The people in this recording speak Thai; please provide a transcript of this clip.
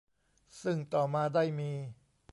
ซึ่งต่อมาได้มี